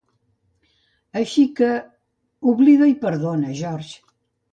Així que, oblida i perdona, George.